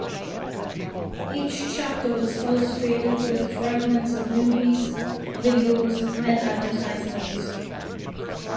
Each chapter was illustrated with fragments of movies, videos and advertisements.